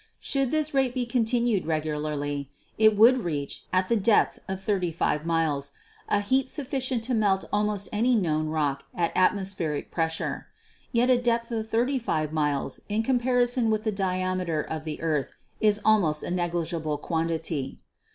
Should this rate be continued regularly, it would reach, at a depth of 35 miles, a heat sufficient to melt almost any known rock at atmospheric pressure. Yet a depth of 3$ miles in comparison with the diameter of the earth is almost a negligible quantity.